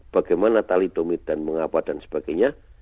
bagaimana talidomid dan mengapa dan sebagainya